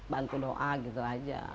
bantu doa gitu aja